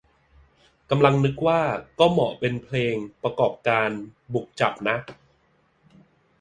กำลังนึกว่า ก็เหมาะเป็นเพลงประกอบการบุกจับนะ